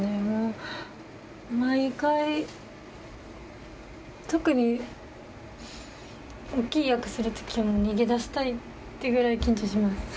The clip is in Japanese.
もう毎回特に大きい役するときはもう逃げ出したいってぐらい緊張します